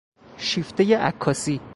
شیفتهی عکاسی